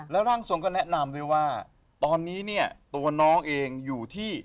แล้วร่างทรงก็แนะนำด้วยว่าตอนนี้เนี่ยตัวน้องเองอยู่ที่